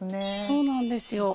そうなんですよ。